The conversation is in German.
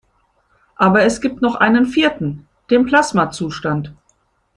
Aber es gibt auch noch einen vierten: Den Plasmazustand.